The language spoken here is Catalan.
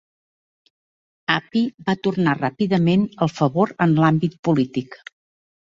Appi va tornar ràpidament el favor en l'àmbit polític.